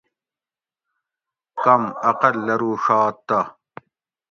کم اقل لروڛات تہ